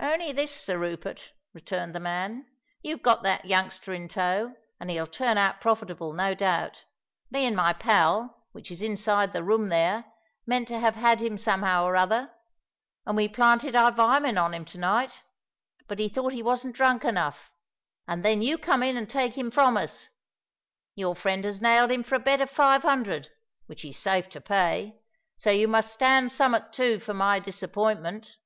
"Only this, Sir Rupert," returned the man: "you've got that youngster in tow, and he'll turn out profitable, no doubt. Me and my pal, which is inside the room there, meant to have had him somehow or another; and we planted our vimen on him to night:—but we thought he wasn't drunk enough; and then you come in and take him from us. Your friend has nailed him for a bet of five hundred, which he's safe to pay; so you must stand someot for my disappointment."